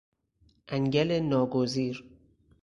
انگل ناگزیر